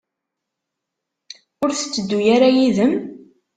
Ur tetteddu ara yid-m?